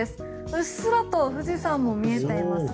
うっすらと富士山も見えていますね。